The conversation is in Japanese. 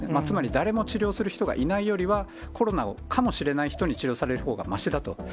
つまり、誰も治療する人がいないよりは、コロナかもしれない人に治療されるほうがましだと。